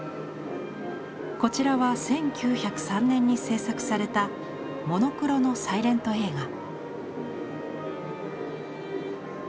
こちらは１９０３年に制作されたモノクロのサイレント映画。